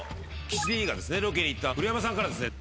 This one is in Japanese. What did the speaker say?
ロケに行った古山さんからですね。